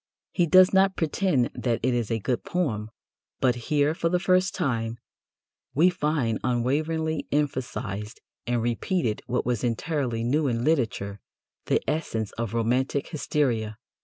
He does not pretend that it is a good poem, but "here, for the first time, we find unwaveringly emphasized and repeated what was entirely new in literature, the essence of romantic hysteria."